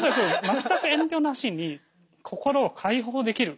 全く遠慮なしに心を解放できる。